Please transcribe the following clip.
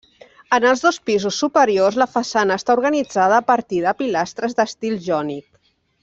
En els dos pisos superiors la façana està organitzada a partir de pilastres d'estil jònic.